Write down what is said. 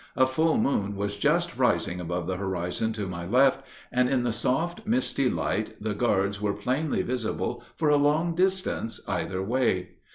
A full moon was just rising above the horizon to my left, and in the soft, misty light the guards were plainly visible for a long distance either way.